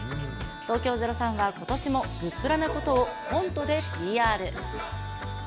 東京０３は、ことしもグップラなことをコントでＰＲ。